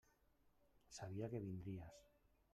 Sabia que vindries.